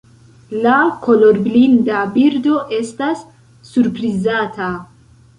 La kolorblinda birdo estas surprizata.